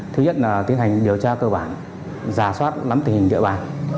thứ nhất là tiến hành điều tra cơ bản giả soát nắm tình hình địa bàn